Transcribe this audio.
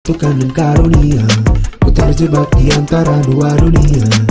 tukang dan karunia ku terjebak di antara dua dunia